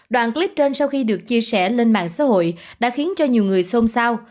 đoạn clip trên sau khi được chia sẻ lên mạng xã hội đã khiến cho nhiều người xông xao